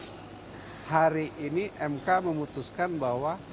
nah hari ini mk memutuskan bahwa